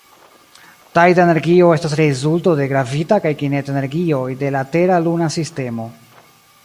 Tajda energio estas rezulto de gravita kaj kineta energioj de la Tera-Luna sistemo.